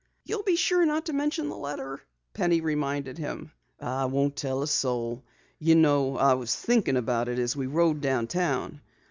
"You'll be sure not to mention the letter?" Penny reminded him. "I won't tell a soul. You know, I was thinkin' about it as we rode downtown.